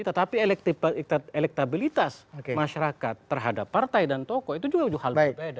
tetapi elektabilitas masyarakat terhadap partai dan tokoh itu juga hal berbeda